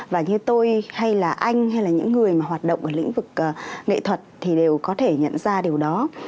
và như tôi hay là anh hay là những người mà hoạt động ở lĩnh vực nghệ thuật thì đều có thể nhận ra điều đó